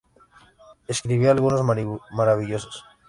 Escribió algunos maravillosos".